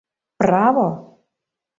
— Право!